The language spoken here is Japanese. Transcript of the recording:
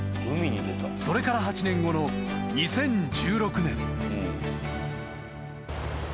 ［それから８年後の２０１６年］